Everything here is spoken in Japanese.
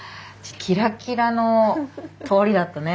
キラキラの通りだったね。